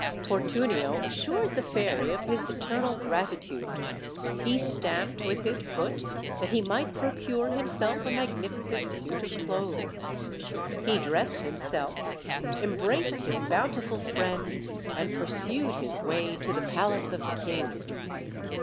Fortunio assured the fairy of his eternal gratitude; he stamped with his foot that he might procure himself a magnificent suit of clothes; he dressed himself, em braced his bountiful friend, and pursued his way to the palace of the king.